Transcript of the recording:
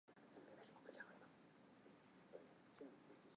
这亦是英国最受欢迎的丧礼挽曲。